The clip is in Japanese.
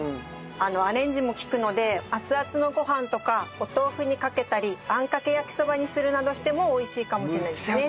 アレンジも利くので熱々のご飯とかお豆腐にかけたりあんかけ焼きそばにするなどしても美味しいかもしれないですね。